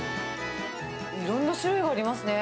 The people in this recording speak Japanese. いろんな種類がありますね。